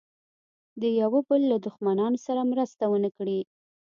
د یوه بل له دښمنانو سره مرسته ونه کړي.